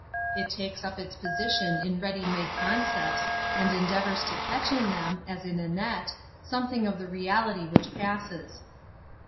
It takes Tip its position in ready made con cepts, and endeavors to catch in them, as in a net, something of the reality which passes.